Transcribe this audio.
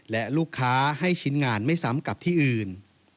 และลูกค้าให้ชิ้นงานไม่ซ้ำกับที่อื่น